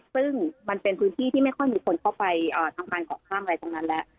ซึ่งมันเป็นพื้นที่ที่ไม่ค่อยมีคนเข้าไปทำงานก่อสร้างอะไรตรงนั้นแล้ว